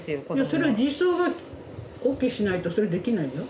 それ児相がＯＫしないとそれできないよ。